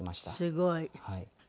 すごい。